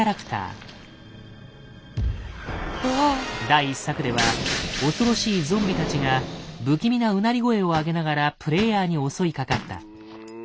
第１作では恐ろしいゾンビたちが不気味なうなり声を上げながらプレイヤーに襲いかかった。